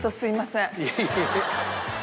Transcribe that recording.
いえいえ。